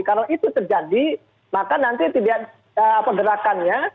kalau itu terjadi maka nanti tidak pergerakannya